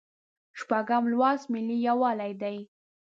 شپږم لوست ملي یووالی دی.